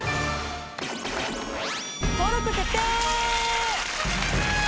登録決定！